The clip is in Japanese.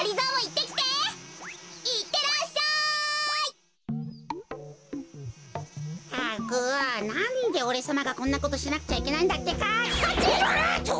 ったくなんでおれさまがこんなことしなくちゃいけないんだってか？ハチ！あっと！